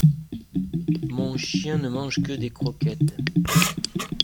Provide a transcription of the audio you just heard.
Mon chien ne mange que des croquettes.